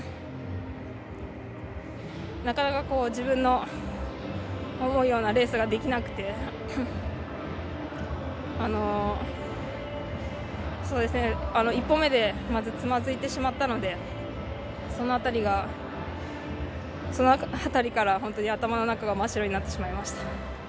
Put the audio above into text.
なかなか、こう、自分の思うようなレースができなくて１歩目でまずつまずいてしまったのでそのあたりから、本当に頭の中が真っ白になってしまいました。